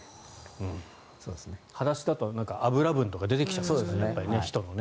裸足だと脂分とか出てきちゃうんでしょうね人のね。